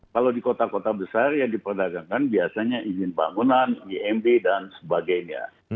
kalau di kota kota besar yang diperdagangkan biasanya izin bangunan imb dan sebagainya